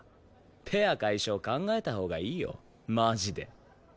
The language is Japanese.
ペア解消考えたほうがいいよマジで。